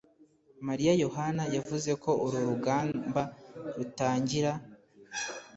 Mariya Yohana yavuze ko uru rugamba rutangira